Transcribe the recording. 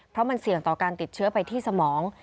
เพราะมันเสี่ยงต่อการติดเชื้อไปที่สมอง